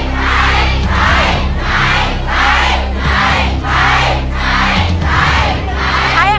ใช้ใช้ใช้ใช้ใช้ใช้ใช้ใช้ใช้ใช้ใช้